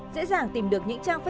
dễ dàng tìm được những trang trình